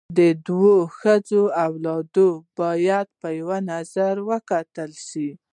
د دوو ښځو اولاده باید په یوه نظر وکتل سي.